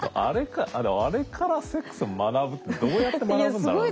あれからセックスを学ぶっていうのはどうやって学ぶんだろう。